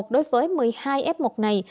đối với một mươi hai f một này